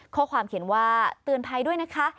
ข้อความเขียนว่าเตือนภัยด้วยนะคะ